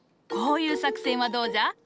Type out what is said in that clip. こういう作戦はどうじゃ。